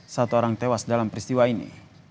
satu orang tewas dalam peristiwa ini